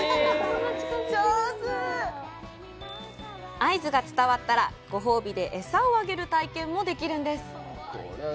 合図が伝わったら、ご褒美で餌をあげる体験もできるんです。